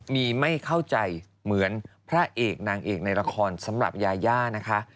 มีไม่เข้าใจเหมือนพระเอกนางเอกในละครสำหรับยาย่านะคะ